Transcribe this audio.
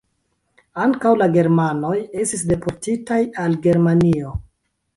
Ankaŭ la germanoj estis deportitaj al Germanio.